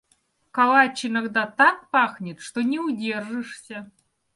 Калач иногда так пахнет, что не удержишься.